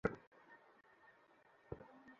ওরা ভালো আছে।